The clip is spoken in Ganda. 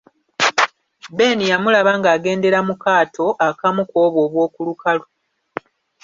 Ben yamulaba ng'agendera mu kaato akamu ku obwo obw'oku lukalu.